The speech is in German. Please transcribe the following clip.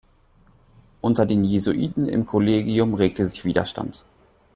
Unter den Jesuiten im Kollegium regte sich Widerstand.